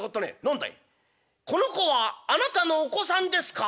「この子はあなたのお子さんですか？」。